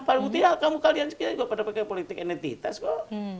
pak butiha kamu sekian juga pada pakai politik identitas kok